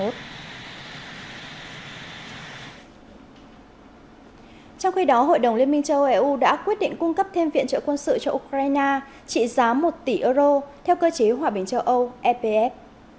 trong khi đó hội đồng liên minh châu âu đã quyết định cung cấp thêm viện trợ quân sự cho ukraine trị giá một tỷ euro theo cơ chế hòa bình châu âu epf